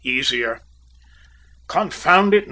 Easier?" "Confound it!